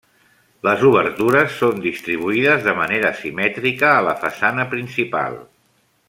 Les obertures són distribuïdes de manera simètrica a la façana principal.